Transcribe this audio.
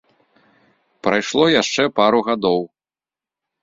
Прайшло яшчэ пару гадоў.